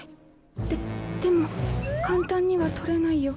ででも簡単には採れないよ。